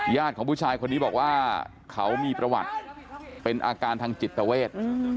ของผู้ชายคนนี้บอกว่าเขามีประวัติเป็นอาการทางจิตเวท